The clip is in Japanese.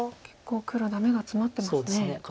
結構黒ダメがツマってますね。